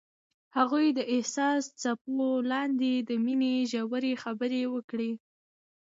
هغوی د حساس څپو لاندې د مینې ژورې خبرې وکړې.